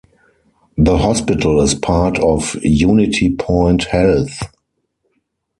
The hospital is part of UnityPoint Health.